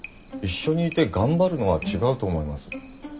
一緒にいて頑張るのは違うと思います。